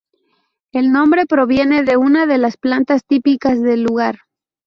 El nombre proviene de una de las plantas típicas del lugar.